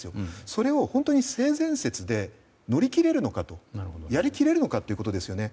それを本当に性善説で乗り切れるのかやり切れるのかということです。